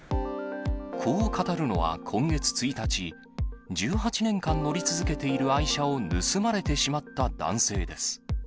こう語るのは、今月１日、１８年間乗り続けている愛車を盗まれてしまった男性です。